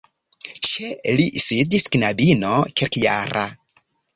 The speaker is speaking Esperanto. Ĉe li sidis knabino kelkjara.